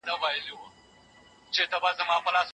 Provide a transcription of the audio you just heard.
ما په دغه ویبسایټ کي د شکر د اهمیت په اړه یو کلیپ ولیدی.